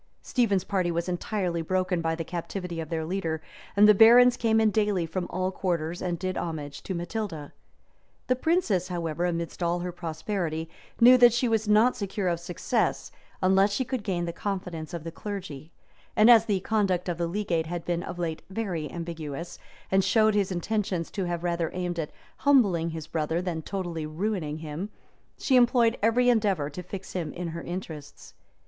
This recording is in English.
Stephen's party was entirely broken by the captivity of their leader, and the barons came in daily from all quarters, and did homage to Matilda. The princess, however, amidst all her prosperity, knew that she was not secure of success, unless she could gain the confidence of the clergy; and as the conduct of the legate had been of late very ambiguous, and showed his intentions to have rather aimed at humbling his brother, than totally ruining him, she employed every endeavor to fix him in her interests.